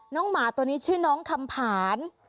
หมาตัวนี้ชื่อน้องคำผ่าน